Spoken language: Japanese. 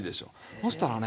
ほしたらね